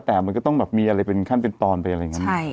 แต่มันก็ต้องแบบมีอะไรเป็นขั้นเป็นตอนไปอะไรอย่างนั้น